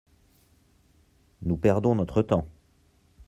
Nous perdons notre temps !